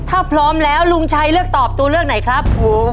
ถ้าพร้อมแล้วลุงชัยเลือกตอบตัวเลือกไหนครับ